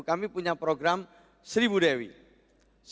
kami punya program seribu dewi seribu desa wisata